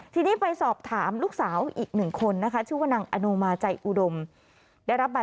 ทีนี้ไปสอบถามลูกสาวอีกหนึ่งคนนะคะ